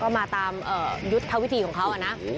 ก็มาตามยุทธวิธีของเขานะ